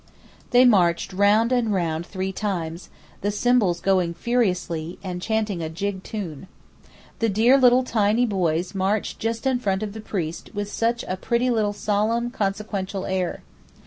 They marched round and round three times, the cymbals going furiously, and chanting a jig tune. The dear little tiny boys marched just in front of the priest with such a pretty little solemn, consequential air.